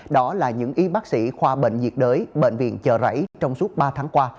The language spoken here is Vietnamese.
đó là những y bác sĩ khoa bệnh diệt đới bệnh viện chờ rảy trong suốt ba tháng qua